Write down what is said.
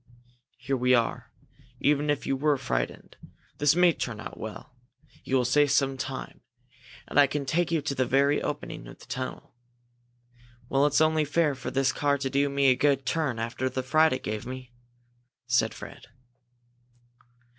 "Here we are," said Ivan. "Even if you were frightened, this may turn out well. You will save some time, and I can take you to the very opening of the tunnel." "Well, it's only fair for this car to do me a good turn after the fright it gave me," said Fred.